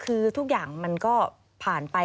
คือทุกอย่างมันก็ผ่านไป